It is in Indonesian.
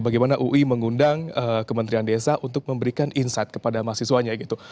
bagaimana ui mengundang kementerian desa untuk memberikan insight kepada mahasiswanya gitu